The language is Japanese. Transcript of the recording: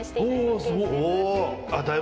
すごーい。